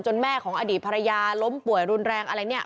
แม่ของอดีตภรรยาล้มป่วยรุนแรงอะไรเนี่ย